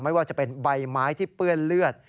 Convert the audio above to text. ไม่ว่าจะเป็นใบไม้ที่เปื้อนเลือด